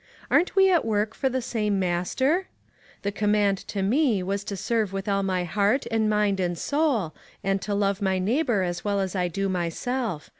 Aren't we at work for the same Master ? The command to me was to serve with all my heart, and mind, and soul, and to love my neighbor as well as I do myself.